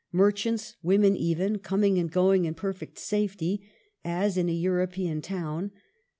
Merchants, women even, coming and going in perfect safety, as in a European town.